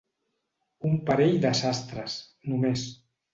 Un parell de sastres, només.